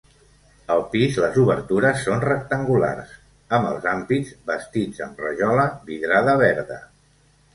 Al pis, les obertures són rectangulars, amb els ampits bastits amb rajola vidrada verda.